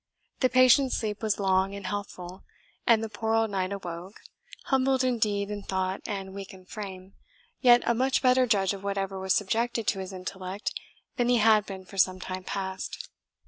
The patient's sleep was long and healthful, and the poor old knight awoke, humbled indeed in thought and weak in frame, yet a much better judge of whatever was subjected to his intellect than he had been for some time past.